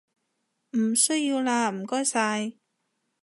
唔需要喇唔該晒